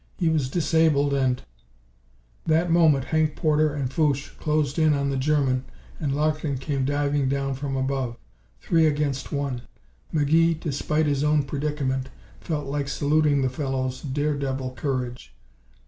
He was disabled and That moment Hank Porter and Fouche closed in on the German and Larkin came diving down from above. Three against one! McGee, despite his own predicament, felt like saluting the fellow's dare devil courage.